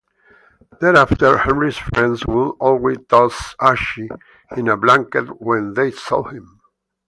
Thereafter Henry's friends would always toss Archie in a blanket when they saw him.